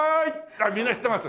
あっみんな知ってます。